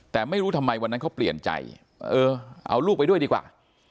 แต่ไม่รู้ทำไมวันนั้นเขาเปลี่ยนใจเออเอาลูกไปด้วยดีกว่า